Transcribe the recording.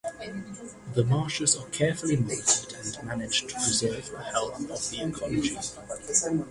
The marshes are carefully monitored and managed to preserve the health of the ecology.